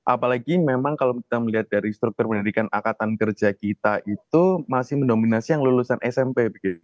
apalagi memang kalau kita melihat dari struktur pendidikan angkatan kerja kita itu masih mendominasi yang lulusan smp